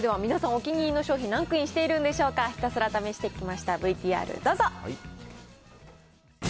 お気に入りの商品、ランクインしているんでしょうか、ひたすら試してきました、ＶＴＲどうぞ。